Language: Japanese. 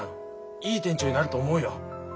いい店長になると思うよ。